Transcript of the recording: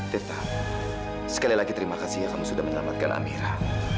defta sekali lagi terima kasih ya kamu sudah menyelamatkan amira